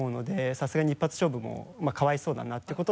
さすがに一発勝負もかわいそうだなってことで。